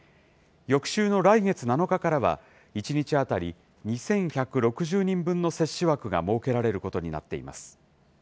翌週の来月７日からは、１日当たり２１６０人分の接種枠が設けられることになっています。